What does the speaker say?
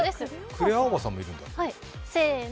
クレアおばさんもいるの？